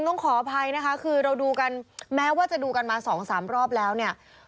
ต้องขออภัยนะคะคือเราดูกันแม้ว่าจะดูกันมาสองสามรอบแล้วเนี่ย